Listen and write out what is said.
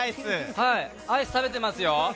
アイス食べてますよ。